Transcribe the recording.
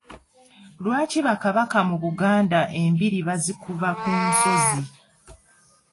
Lwaki Bakabaka mu Buganda embiri bazikuba ku nsozi?